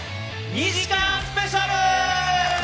２時間スペシャル！